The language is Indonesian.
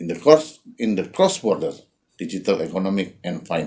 ekonomi digital dan finansial